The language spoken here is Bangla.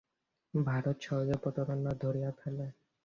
ভারত সহজেই প্রতারণা ধরিয়া ফেলে।